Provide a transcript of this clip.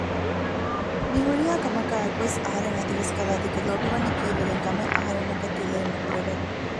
މި ހުރިހާ ކަމަކާއެކުވެސް އަހަރެން އަދިވެސް ކަލާދެކެ ލޯބި ވަނީ ކީއްވެގެން ކަމެއް އަހަރެންނަކަށް ތިލައެއް ނުކުރެވެ